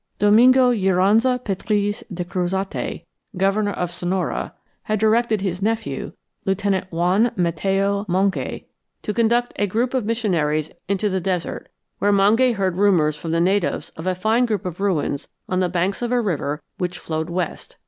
Domingo Jironza Petriz de Cruzate, governor of Sonora, had directed his nephew, Lieutenant Juan Mateo Mange, to conduct a group of missionaries into the desert, where Mange heard rumors from the natives of a fine group of ruins on the banks of a river which flowed west.